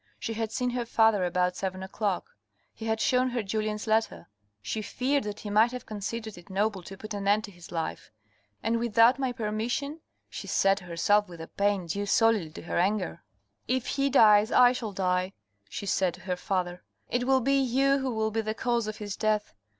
She had seen her father about seven o'clock. He had shown her Julien's letter. She ;c;:red that he might have considered it noble to put an end to his life; "and without my permission ?" she said to herself with a pain due solely to her anger. THE HELL OF WEAKNESS 449 " If he dies I shall die," she said to her father. " It will be you who will be the cause of his death.